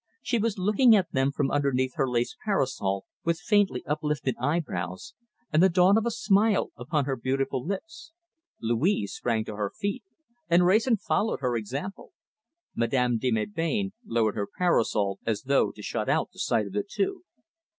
She was looking at them from underneath her lace parasol, with faintly uplifted eyebrows, and the dawn of a smile upon her beautiful lips. Louise sprang to her feet, and Wrayson followed her example. Madame de Melbain lowered her parasol as though to shut out the sight of the two.